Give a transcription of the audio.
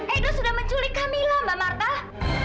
edon sudah menculik camilla mbak marta